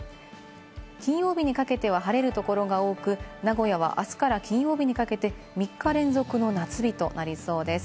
金曜日にかけては晴れる所が多く、名古屋は明日から金曜日にかけて３日連続の夏日となりそうです。